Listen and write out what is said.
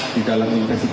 di dalam investigasi ini